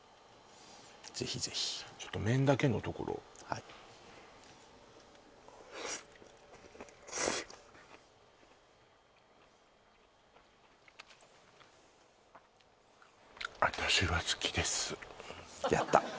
ぜひぜひちょっと麺だけのところをはいやった